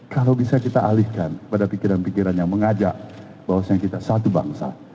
kalau bisa kita alihkan pada pikiran pikiran yang mengajak bahwasanya kita satu bangsa